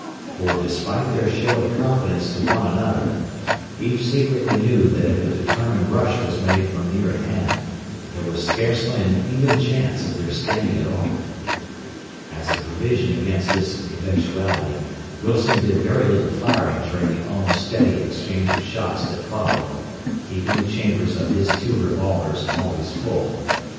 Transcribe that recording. For despite their show of confidence to one another, each secretly knew that if a determined rush was made from near at hand, there was scarcely an even chance of their standing it off. As a provision against this eventuality Wilson did very little firing during the almost steady exchange of shots that followed, keeping the chambers of his two revolvers always full.